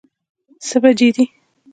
څه بجې دي؟